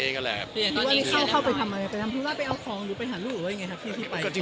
หรือว่าเข้าไปทำอะไรไปเอาของหรือไปหาลูกหรือเป็นไงครับที่ไป